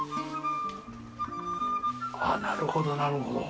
ああなるほどなるほど。